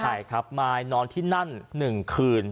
ใช่ครับมายนอนที่นั่น๑คืน